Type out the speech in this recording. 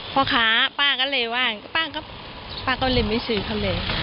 พ่อค้าป้าก็เลยว่าป้าก็เลยไม่ซื้อเขาเลย